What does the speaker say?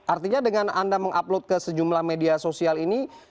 artinya dengan anda mengupload ke sejumlah media sosial ini